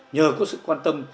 nhờ có sự quan tâm